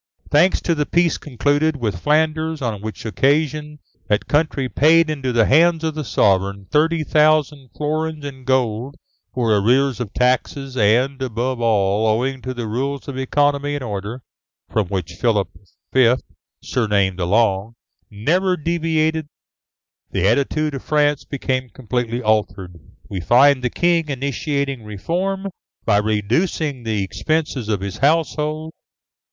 Thanks to the peace concluded with Flanders, on which occasion that country paid into the hands of the sovereign thirty thousand florins in gold for arrears of taxes, and, above all, owing to the rules of economy and order, from which Philip V., surnamed the Long, never deviated, the attitude of France became completely altered. We find the King initiating reform by reducing the expenses of his household.